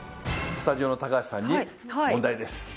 スタジオの高橋さんに問題です。